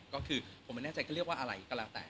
ก็คือผมไม่แน่ใจก็เรียกว่าอะไรก็แล้วแต่